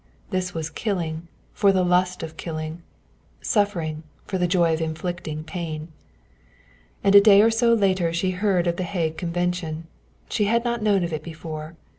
This was killing, for the lust of killing; suffering, for the joy of inflicting pain. And a day or so later she heard of The Hague Convention. She had not known of it before.